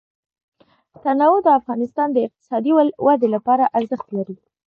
تنوع د افغانستان د اقتصادي ودې لپاره ارزښت لري.